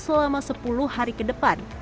selama sepuluh hari ke depan